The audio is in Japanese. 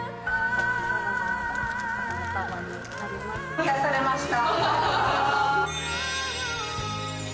癒やされました。